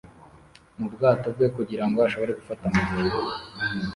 mubwato bwe kugirango ashobore gufata amafi